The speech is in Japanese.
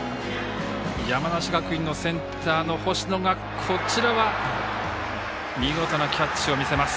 山梨学院のセンターの星野が、こちらは見事なキャッチを見せます。